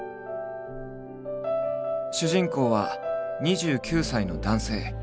主人公は２９歳の男性。